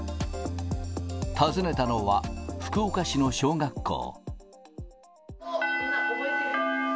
訪ねたのは福岡市の小学校。